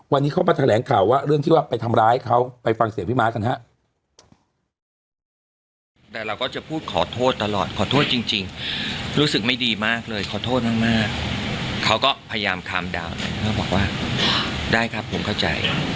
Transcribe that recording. วันนี้เขามาแถลงข่าวว่าเรื่องที่ว่าไปทำร้ายเขาไปฟังเสียงพี่ม้ากันฮะ